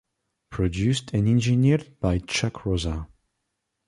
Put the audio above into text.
Produced and engineered by Chuck Rosa.